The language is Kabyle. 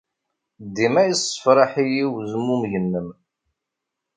Dima yessefṛaḥ-iyi wezmumeg-nnem.